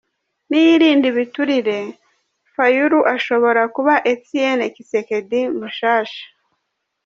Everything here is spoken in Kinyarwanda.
ni yirinda ibiturire, Fayulu ashobora kuba Etienne Tshisekedi mushasha.